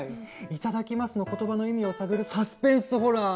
「いただきます」の言葉の意味を探るサスペンスホラー！